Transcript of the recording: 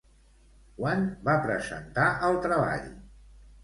Quan va presentar el treball?